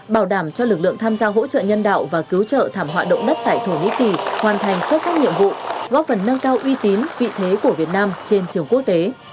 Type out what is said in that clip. bảo đảm cho lực lượng tham gia hỗ trợ nhân đạo và cứu trợ thảm họa động đất tại thổ nhĩ kỳ hoàn thành xuất sắc nhiệm vụ góp phần nâng cao uy tín vị thế của việt nam trên trường quốc tế